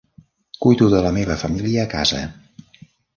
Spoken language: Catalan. Cuido de la meva família a casa.